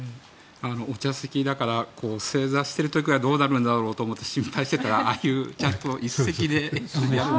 お茶席だから正座している時はどうなるんだろうと思って心配してたらああいうちゃんと椅子席でやる。